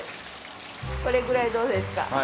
これぐらいどうですか？